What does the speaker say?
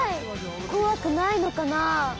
こわくないのかな？